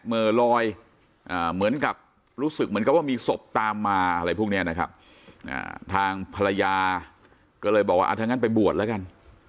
หมอลอยเหมือนกับรู้สึกเหมือนกับว่ามีศพตามมาอะไรพวกนี้นะครับทางภรรยาก็เลยบอกว่าถ้างั้นไปบวชแล้วกัน